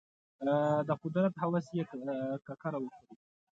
د قدرت هوس یې ککره وخوري.